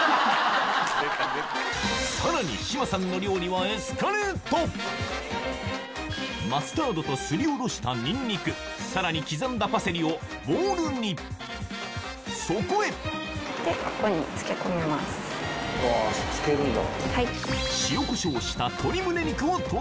さらに志麻さんの料理はエスカレートマスタードとすりおろしたニンニクさらに刻んだパセリをボウルにそこへうわ漬けるんだ。